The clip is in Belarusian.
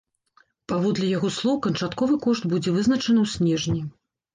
Паводле яго слоў, канчатковы кошт будзе вызначаны ў снежні.